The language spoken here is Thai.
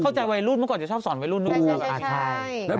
เขาเข้าใจวัยรุ่นที่เมื่อก่อนเราว่าจะครอบสอนวัยรุ่น